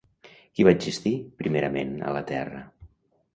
Qui va existir, primerament, a la Terra?